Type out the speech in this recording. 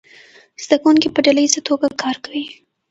زده کوونکي په ډله ییزه توګه کار کوي.